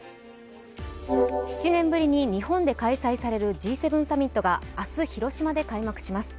７年ぶりに日本で開催されるＧ７サミットが明日、広島で開幕します。